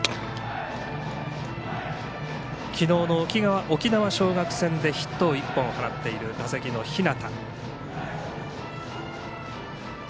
昨日の沖縄尚学戦でヒットを１本放っている打席の日當。